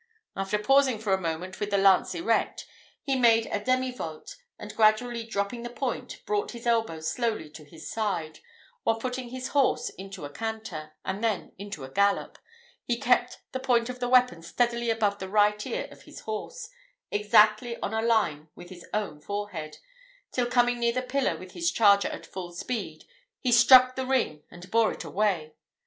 After pausing for a moment with the lance erect, he made a demi volte, and, gradually dropping the point, brought his elbow slowly to his side; while putting his horse into a canter, and then into a gallop, he kept the point of the weapon steadily above the right ear of his horse, exactly on a line with his own forehead, till coming near the pillar with his charger at full speed, he struck the ring and bore it away.